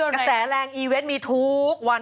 กระแสแรงอีเวนต์มีทุกวัน